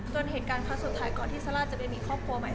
เหตุการณ์ครั้งสุดท้ายก่อนที่ซาร่าจะไปมีครอบครัวใหม่